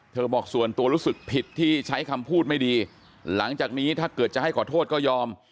บอกส่วนตัวรู้สึกผิดที่ใช้คำพูดไม่ดีหลังจากนี้ถ้าเกิดจะให้ขอโทษก็ยอม